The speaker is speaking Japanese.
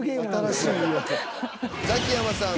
「ザキヤマ」さん。